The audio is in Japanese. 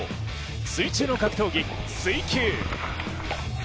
水中の格闘技、水球。